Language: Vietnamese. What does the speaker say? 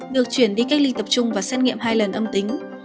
được chuyển đi cách ly tập trung và xét nghiệm hai lần âm tính